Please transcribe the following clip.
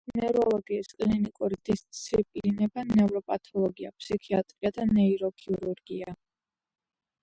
ნევროლოგიის კლინიკური დისციპლინებია: ნევროპათოლოგია, ფსიქიატრია და ნეიროქირურგია.